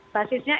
basisnya rt rw